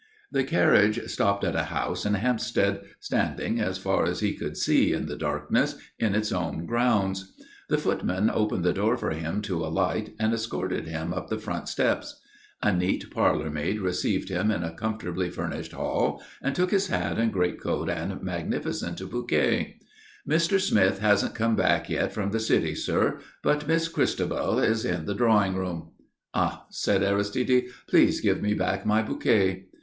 The carriage stopped at a house in Hampstead, standing, as far as he could see in the darkness, in its own grounds. The footman opened the door for him to alight and escorted him up the front steps. A neat parlour maid received him in a comfortably furnished hall and took his hat and greatcoat and magnificent bouquet. "Mr. Smith hasn't come back yet from the City, sir; but Miss Christabel is in the drawing room." "Ah!" said Aristide. "Please give me back my bouquet."